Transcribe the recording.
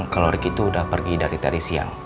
kalo riki tuh udah pergi dari tadi siang